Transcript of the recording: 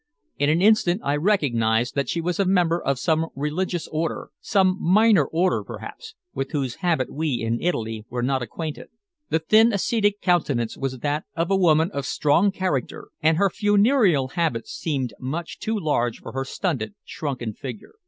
In an instant I recognized that she was a member of some religious order, some minor order perhaps, with whose habit we, in Italy, were not acquainted. The thin ascetic countenance was that of a woman of strong character, and her funereal habit seemed much too large for her stunted, shrunken figure.